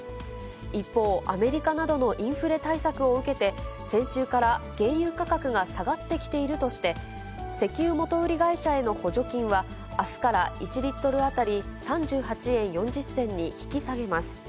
一方、アメリカなどのインフレ対策を受けて、先週から原油価格が下がってきているとして、石油元売り会社への補助金はあすから１リットル当たり３８円４０銭に引き下げます。